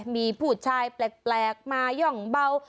มีผู้ชายแปลกมาย่องเบา